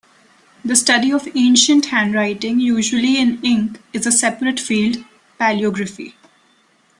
The study of ancient handwriting, usually in ink, is a separate field, palaeography.